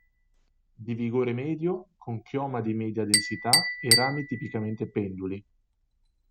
Di vigore medio, con chioma di media densità e rami tipicamente penduli.